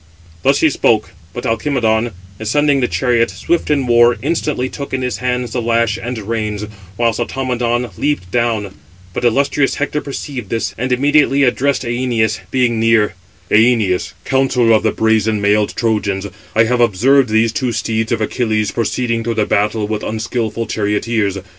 Thus he spoke, but Alcimedon, ascending the chariot, swift in war, instantly took in his hands the lash and reins, whilst Automedon leaped down; but illustrious Hector perceived this, and immediately addressed Æneas, being near: "Æneas, counsellor of the brazen mailed Trojans, I have observed these two steeds of Achilles proceeding through the battle with unskilful charioteers.